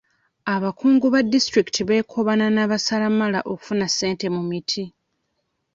Abakungu ba disitulikiti beekobaana n'abasalamala okufuna ssente mu miti.